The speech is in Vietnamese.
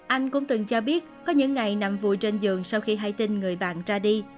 anh cũng từng cho biết có những ngày nằm vùi trên giường sau khi hai tin người bạn ra đi